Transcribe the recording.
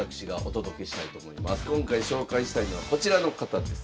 今回紹介したいのはこちらの方です。